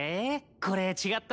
これ違った？